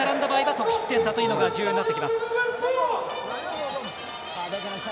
得失点差が重要になってきます。